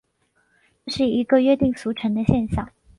这是一个约定俗成的现像。